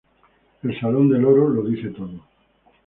El salón del oro lo dice todo.